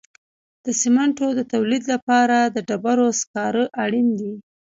د سمنټو د تولید لپاره د ډبرو سکاره اړین دي.